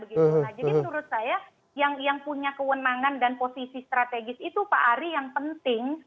jadi menurut saya yang punya kewenangan dan posisi strategis itu pak ari yang penting